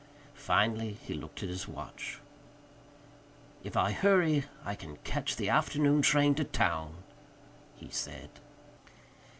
Finally he looked at his watch. "If I hurry, I can catch the afternoon train to town," he said.